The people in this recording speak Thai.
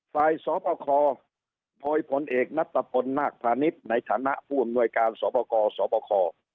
ฝ่ายสบคพลเอกนัตตะปนนักพลาณิชย์ในฐานะผู้อำนวยการสบค